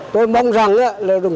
tôi mong rằng